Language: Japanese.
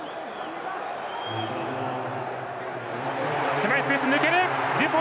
狭いスペース、抜ける！